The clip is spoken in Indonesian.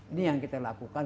ini yang kita lakukan